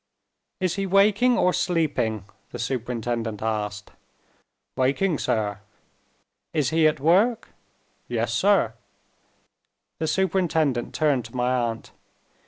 "Is he waking or sleeping?" the superintendent asked. "Waking, sir." "Is he at work?" "Yes, sir." The superintendent turned to my aunt.